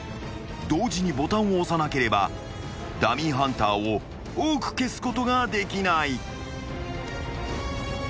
［同時にボタンを押さなければダミーハンターを多く消すことができない］